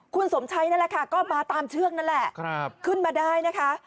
คุณสมชัยนั่นแหละค่ะก็มาตามเชือกนั่นแหละขึ้นมาได้นะคะ